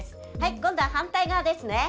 今度は反対側です。